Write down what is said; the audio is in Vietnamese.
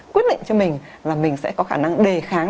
quyết định cho mình là mình sẽ có khả năng đề kháng